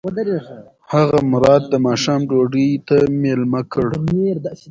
هغه مراد د ماښام ډوډۍ ته مېلمه کړ.